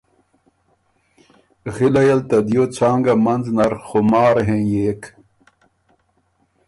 غِلئ ال ته دیو څانګه منځ نر خمار هېنيېک۔